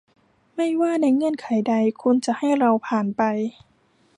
ไม่ว่าในเงื่อนไขใด คุณจะให้เราผ่านไป